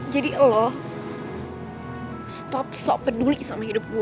jadi lo stop sok peduli sama hidup gue